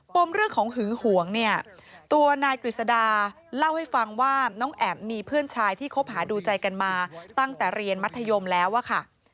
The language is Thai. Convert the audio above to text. มเรื่องของหึงหวงเนี่ยตัวนายกฤษดาเล่าให้ฟังว่าน้องแอ๋มมีเพื่อนชายที่คบหาดูใจกันมาตั้งแต่เรียนมัธยมแล้วอะค่ะ